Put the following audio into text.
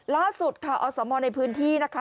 ล่าสุดค่ะอสมในพื้นที่นะคะ